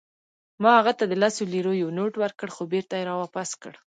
ما هغه ته د لسو لیرو یو نوټ ورکړ، خو بیرته يې راواپس کړ.